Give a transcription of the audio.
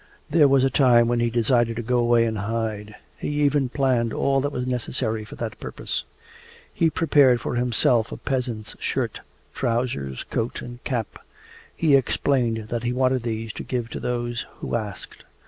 There was a time when he decided to go away and hide. He even planned all that was necessary for that purpose. He prepared for himself a peasant's shirt, trousers, coat, and cap. He explained that he wanted these to give to those who asked.